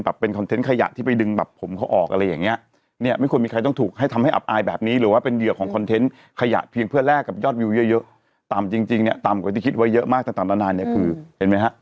เป็นคอนเทนต์ขยะที่ไปดึงแบบผมเขาออกอะไรอย่างเงี้ยเนี่ยไม่ควรมีใครต้องถูกให้ทำให้อับอายแบบนี้หรือว่าเป็นเหยื่อของคอนเทนต์ขยะเพียงเพื่อแลกกับยอดวิวเยอะเยอะต่ำจริงจริงเนี่ยต่ำกว่าที่คิดไว้เยอะมากต่างนานเนี่ยคือเห็นไหมฮะ